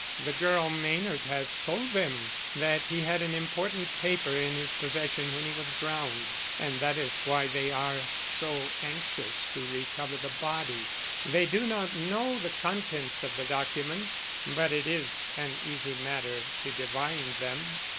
"The girl Maynard has told them that he had an important paper in his possession when he was drowned and that is why they are so anxious to recover the body. They do not know the contents of the document but it is an easy matter to divine them.